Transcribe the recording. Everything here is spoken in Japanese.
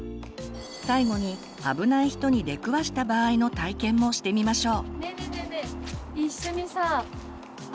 最後にあぶない人に出くわした場合の体験もしてみましょう。